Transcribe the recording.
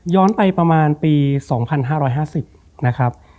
ไปประมาณปี๒๕๕๐นะครับ